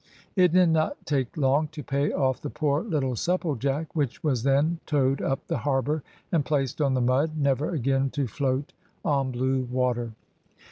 It did not take long to pay off the poor little Supplejack, which was then towed up the harbour and placed on the mud, never again to float on blue water.